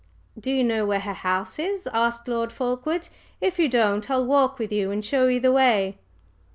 "Do you know where her house is?" asked Lord Fulkeward. "If you don't, I'll walk with you and show you the way."